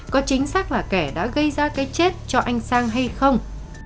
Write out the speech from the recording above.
có chính xác là kẻ đã gây ra cái chết cho anh sang hay không